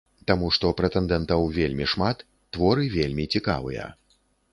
Таму што прэтэндэнтаў вельмі шмат, творы вельмі цікавыя.